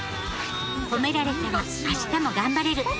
褒められたら明日も頑張れる。